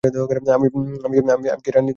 আমি কি রানী যে শিবিকা চাই।